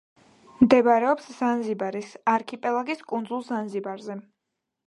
მდებარეობს ზანზიბარის არქიპელაგის კუნძულ ზანზიბარზე.